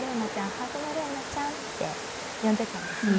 ハートのレオナちゃんって呼んでいたんですね。